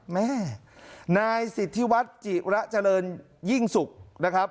แม่นายสิทธิวัฒน์จิระเจริญยิ่งสุขนะครับ